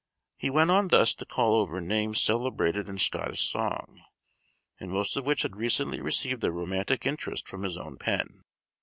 He went on thus to call over names celebrated in Scottish song, and most of which had recently received a romantic interest from his own pen.